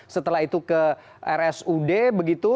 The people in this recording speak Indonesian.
setelah itu ke rsud begitu